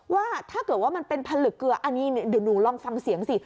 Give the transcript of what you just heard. ว่าถ้าเกิดว่ามันเป็นผลึกเกลืออันนี้เดี๋ยวหนูลองฟังเสียงสิ